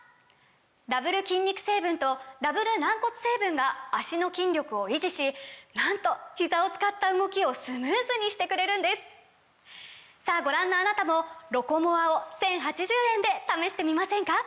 ダブル筋肉成分とダブル軟骨成分が脚の筋力を維持しなんとひざを使った動きをスムーズにしてくれるんですさぁご覧のあなたも「ロコモア」を１，０８０円で試してみませんか！